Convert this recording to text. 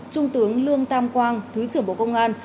trung tướng lương tam quang thứ trưởng bộ công an